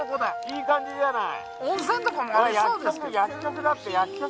いい感じじゃない。